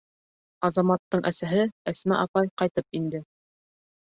Азаматтың әсәһе Әсмә апай ҡайтып инде.